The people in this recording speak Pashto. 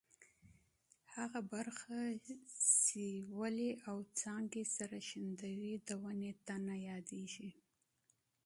هغه برخه چې ریښې او څانګې سره نښلوي د ونې تنه یادیږي.